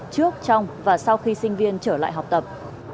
trước trong và sau khi sinh viên trở lại học tập